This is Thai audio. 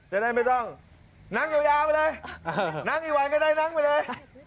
จะได้ไม่ต้องนั่งยาวไปเลยนั่งกี่วันก็ได้นั่งไปเลย